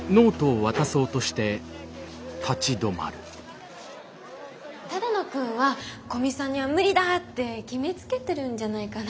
回想只野くんは古見さんには無理だって決めつけてるんじゃないかな。